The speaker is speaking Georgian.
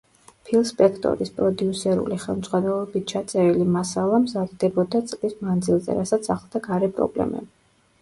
ფილ სპექტორის პროდიუსერული ხელმძღვანელობით ჩაწერილი მასალა მზადდებოდა წლის მანძილზე, რასაც ახლდა გარე პრობლემები.